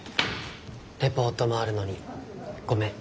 レポートもあるのにごめん。